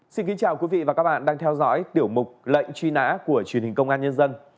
xin kính chào quý vị và các bạn đang theo dõi tiểu mục lệnh truy nã của truyền hình công an nhân dân